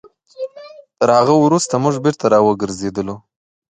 تر هغه وروسته موږ بېرته راوګرځېدلو.